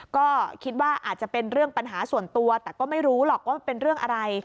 ก็คิดว่าอาจจะเป็นเรื่องปัญหาส่วนตัวแต่ก็ไม่รู้หรอกว่าเป็นเรื่องอะไร